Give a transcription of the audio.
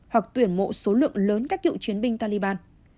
hoặc tuyển mộ số lượng lớn các cựu chiến binh taliban